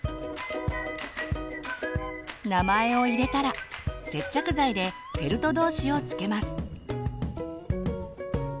名前を入れたら接着剤でフェルト同士をつけます。